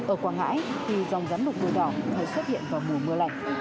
ở quảng ngãi thì dòng rắn lục đuôi đỏ thay xuất hiện vào mùa mưa lạnh